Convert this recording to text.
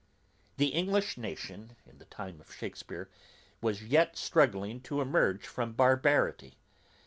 The English nation, in the time of Shakespeare, was yet struggling to emerge from barbarity.